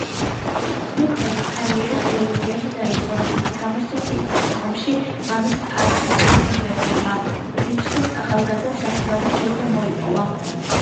მოქმედი კარიერა ტელევიზიაში დაიწყო, როდესაც გამოჩნდა სიტკომში „მამის აღზევება“, რისთვისაც ახალგაზრდა მსახიობის ჯილდო მოიპოვა.